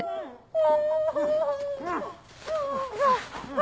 あ！